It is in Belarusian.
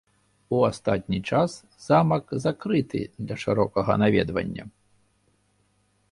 У астатні час замак закрыты для шырокага наведвання.